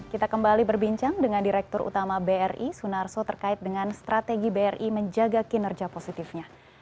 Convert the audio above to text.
kita kembali berbincang dengan direktur utama bri sunarso terkait dengan strategi bri menjaga kinerja positifnya